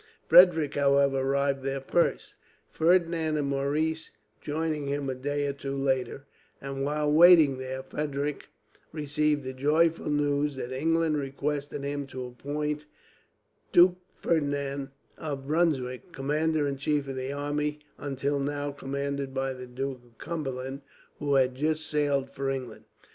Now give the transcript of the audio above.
Frederick, however, arrived there first, Ferdinand and Maurice joining him a day or two later; and while waiting there, Frederick received the joyful news that England requested him to appoint Duke Ferdinand, of Brunswick, commander in chief of the army until now commanded by the Duke of Cumberland, who had just sailed for England.